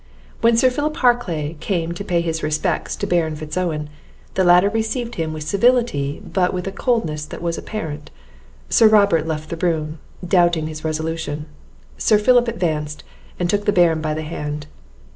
When Sir Philip Harclay came to pay his respects to Baron Fitz Owen, the latter received him with civility, but with a coldness that was apparent. Sir Robert left the room, doubting his resolution. Sir Philip advanced, and took the Baron by the hand.